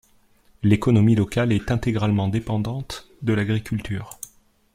L'économie locale est intégralement dépendante de l'agriculture.